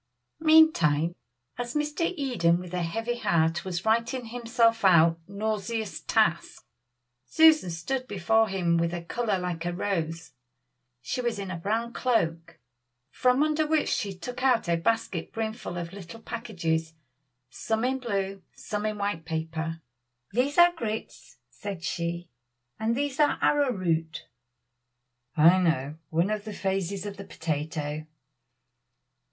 Meantime, as Mr. Eden with a heavy heart was writing himself out nauseous task Susan stood before him with a color like a rose. She was in a brown cloak, from under which she took out a basket brimful of little packages, some in blue, some in white paper. "These are grits," said she, "and these are arrowroot." "I know one of the phases of the potato."